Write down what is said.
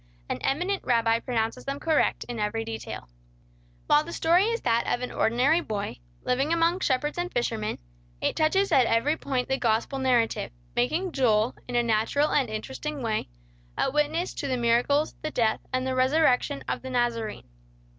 An eminent rabbi pronounces them correct in every detail. While the story is that of an ordinary boy, living among shepherds and fishermen, it touches at every point the gospel narrative, making Joel, in a natural and interesting way, a witness to the miracles, the death, and the resurrection of the Nazarene.